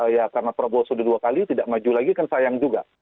ya karena prabowo sudah dua kali tidak maju lagi kan sayang juga